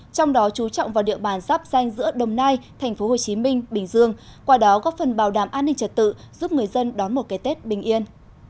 trong đó chú trọng vào địa bàn sắp danh giữa đồng nai tp hcm bình dương qua đó góp phần bảo đảm an ninh trật tự giúp người dân đón một cái tết bình yên